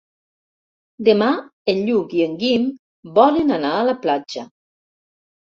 Demà en Lluc i en Guim volen anar a la platja.